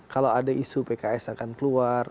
kalau ada isu pks akan keluar